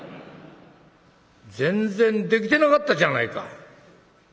全然できてなかったじゃないか」。